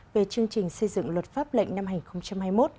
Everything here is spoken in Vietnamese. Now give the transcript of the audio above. về chương trình xây dựng luật pháp lệnh năm hai nghìn hai mươi một